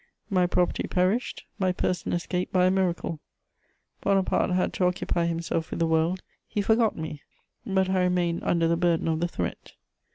My property perished; my person escaped by a miracle: Bonaparte had to occupy himself with the world; he forgot me, but I remained under the burden of the threat.